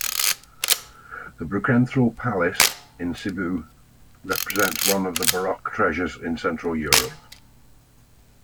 The Brukenthal Palace in Sibiu represents one of the Baroque treasures in Central Europe.